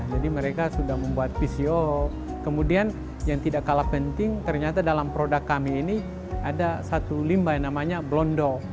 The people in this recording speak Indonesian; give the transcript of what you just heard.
jadi mereka sudah membuat vco kemudian yang tidak kalah penting ternyata dalam produk kami ini ada satu limbah yang namanya blondo